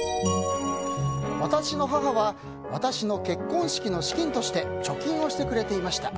私の母は私の結婚式の資金として貯金をしてくれていました。